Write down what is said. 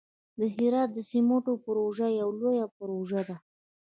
د هرات د سمنټو پروژه یوه لویه پروژه ده.